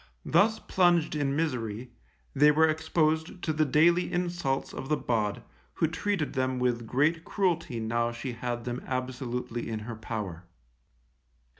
Thus plunged in misery, they were exposed to the daily insults of the bawd, who treated them with great cruelty now she had them absolutely in her power.